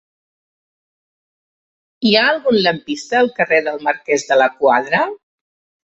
Hi ha algun lampista al carrer del Marquès de la Quadra?